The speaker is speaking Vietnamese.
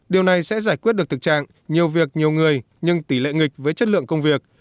điều này sẽ giải quyết được thực trạng nhiều việc nhiều người nhưng tỷ lệ nghịch với chất lượng công việc